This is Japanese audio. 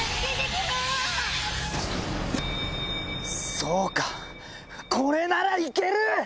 そうかこれなら行ける！